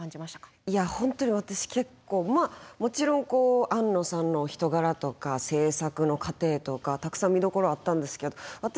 いや本当に私結構まあもちろん庵野さんのお人柄とか制作の過程とかたくさん見どころあったんですけど私